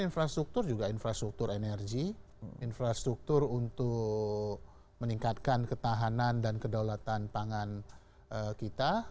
infrastruktur juga infrastruktur energi infrastruktur untuk meningkatkan ketahanan dan kedaulatan pangan kita